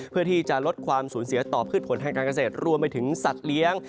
เพื่อที่จะลดความสูญเสียต่อพืชผลทางการเกษตรรวมไปถึงสัตว์เลี้ยง